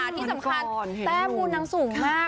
ที่สำคัญแต้มบุญนางสูงมาก